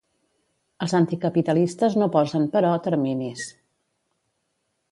Els anticapitalistes no posen, però, terminis.